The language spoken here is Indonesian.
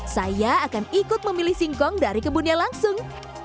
saya akan ikut memilih singkong dari kebunnya langsung